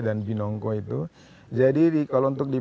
dan binongo itu jadi kalau untuk di